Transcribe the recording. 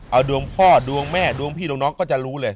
เอาดวงพ่อดวงแม่ดวงพี่ดวงน้องก็จะรู้เลย